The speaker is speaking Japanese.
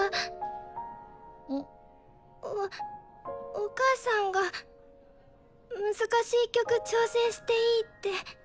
おお母さんが難しい曲挑戦していいって。